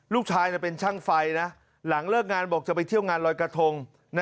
ลูกชายเป็นช่างไฟนะหลังเลิกงานบอกจะไปเที่ยวงานลอยกระทง